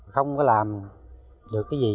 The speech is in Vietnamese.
không có làm được cái gì